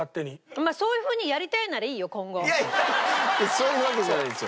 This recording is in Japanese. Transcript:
そういうわけじゃないんですよ。